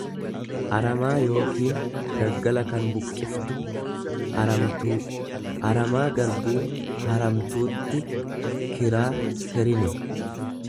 aramaa yookiin daggala kan buqqiftu, aramtuu; Aramaa garbuu haramtuutti kiraa kerine.